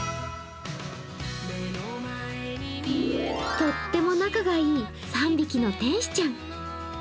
とっても仲がいい３匹の天使ちゃん。